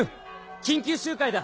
緊急集会だ！